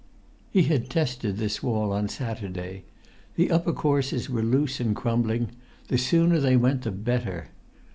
He had tested this wall on Saturday. The upper courses were loose and crumbling; the sooner they went the better.